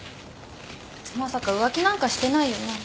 まさか浮気なんかしてないよね？